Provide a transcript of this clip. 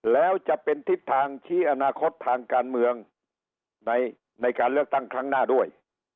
แล้วจะเป็นทิศทางชี้อนาคตทางการเมืองในการเลือกตั้งครั้งหน้าด้วย